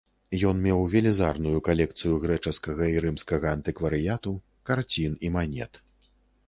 Ён меў велізарную калекцыю грэчаскага і рымскага антыкварыяту, карцін і манет.